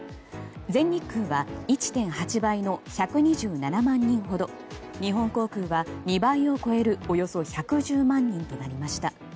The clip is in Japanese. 全日空は１．８倍の１２７万人ほど日本航空は２倍を超えるおよそ１１０万人となりました。